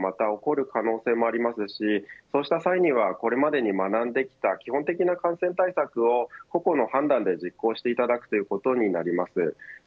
再度、大きな感染流行がまた起こる可能性もありますしそうした際にはこれまでに学んできた基本的な感染対策を個々の判断で実行していただくということになります。